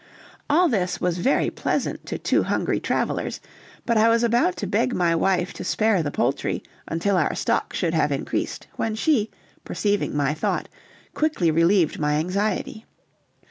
All this was very pleasant to two hungry travelers, but I was about to beg my wife to spare the poultry until our stock should have increased, when she, perceiving my thought, quickly relieved my anxiety.